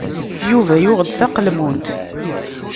Yuba yuɣ-d taqelmut.